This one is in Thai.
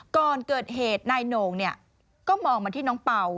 ก่อนเกิดเหตุนายโหน่งเนี่ยก็มองมาที่น้องเป่า